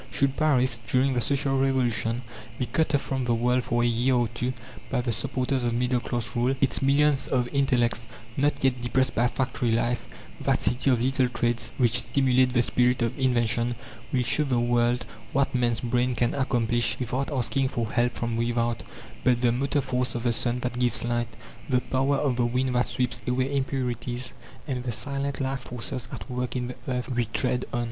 Should Paris, during the social revolution, be cut off from the world for a year or two by the supporters of middle class rule, its millions of intellects, not yet depressed by factory life that City of little trades which stimulate the spirit of invention will show the world what man's brain can accomplish without asking for help from without, but the motor force of the sun that gives light, the power of the wind that sweeps away impurities, and the silent life forces at work in the earth we tread on.